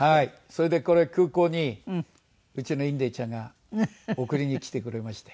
それでこれ空港にうちのインディちゃんが送りに来てくれまして。